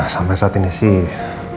sampai saat ini sih